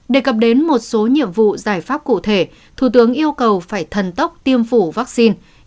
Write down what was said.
đề cập đến một số nhiệm vụ giải pháp cụ thể thủ tướng yêu cầu phải thần tốc tiêm phổi vaccine